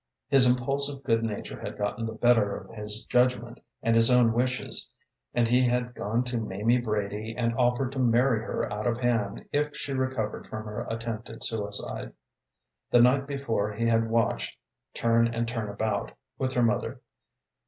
His impulsive good nature had gotten the better of his judgment and his own wishes, and he had gone to Mamie Brady and offered to marry her out of hand if she recovered from her attempted suicide. The night before he had watched, turn and turn about, with her mother.